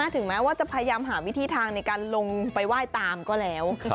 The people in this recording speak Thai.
ถึงแม้ว่าจะพยายามหาวิธีทางในการลงไปไหว้ตามก็แล้ว